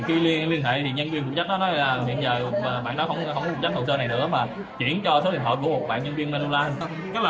khi liên hệ thì nhân viên phụ trách đó nói là hiện giờ bạn đó không có phụ trách hồ sơ này nữa mà chuyển cho số điện thoại của một bạn nhân viên menolite